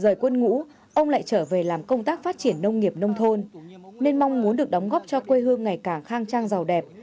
rời quân ngũ ông lại trở về làm công tác phát triển nông nghiệp nông thôn nên mong muốn được đóng góp cho quê hương ngày càng khang trang giàu đẹp